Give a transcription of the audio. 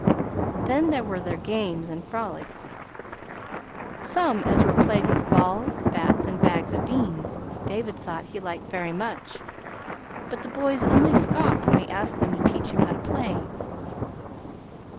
Then there were their games and frolics. Such as were played with balls, bats, and bags of beans, David thought he would like very much. But the boys only scoffed when he asked them to teach him how to play.